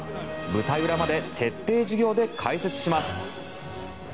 舞台裏まで徹底授業で解説します。